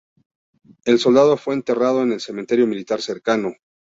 El soldado fue enterrado en el cementerio militar cercano.